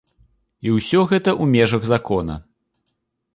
І усё гэта ў межах закона.